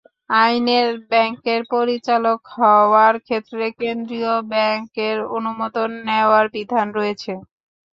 আইনেই ব্যাংকের পরিচালক হওয়ার ক্ষেত্রে কেন্দ্রীয় ব্যাংকের অনুমোদন নেওয়ার বিধান রয়েছে।